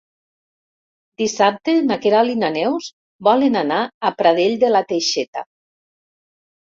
Dissabte na Queralt i na Neus volen anar a Pradell de la Teixeta.